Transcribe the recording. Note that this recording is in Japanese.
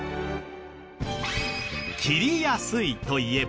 切りやすいといえば